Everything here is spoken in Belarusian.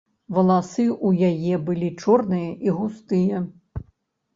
Валасы ў яе былі чорныя і густыя.